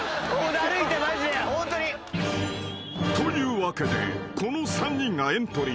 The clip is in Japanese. ［というわけでこの３人がエントリー］